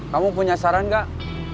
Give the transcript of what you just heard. kamu punya saran gak